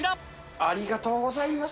ありがとうございます。